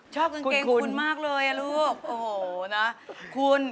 ชอบกางเกงคุณมากเลยอะลูก